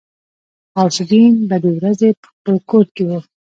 غوث الدين به د ورځې په خپل کور کې و.